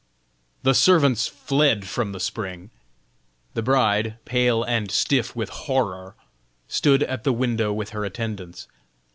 The servants fled from the spring; the bride, pale and stiff with horror, stood at the window with her attendants.